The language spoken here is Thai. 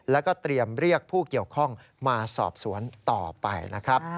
แล้วก็เตรียมเรียกผู้เกี่ยวข้องมาสอบสวนต่อไปนะครับ